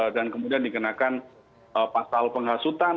dan kemudian dikenakan pasal penghasutan